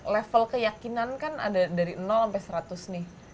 level keyakinan kan ada dari sampai seratus nih